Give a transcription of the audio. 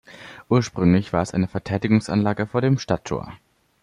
Ursprünglich war es eine Verteidigungsanlage vor dem Stadttor.